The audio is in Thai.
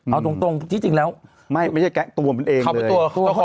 เอาตรงตรงที่จริงแล้วไม่ไม่ใช่แก๊งตัวมันเองเลยเขาเป็นตัว